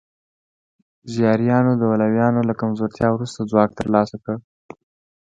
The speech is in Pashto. زیاریانو د علویانو له کمزورتیا وروسته ځواک ترلاسه کړ.